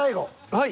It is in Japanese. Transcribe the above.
はい。